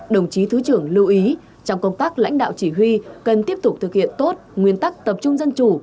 đồng chí thứ trưởng lưu ý trong công tác lãnh đạo chỉ huy cần tiếp tục thực hiện tốt nguyên tắc tập trung dân chủ